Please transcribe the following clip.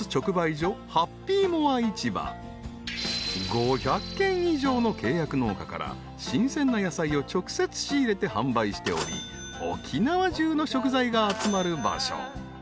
［５００軒以上の契約農家から新鮮な野菜を直接仕入れて販売しており沖縄中の食材が集まる場所］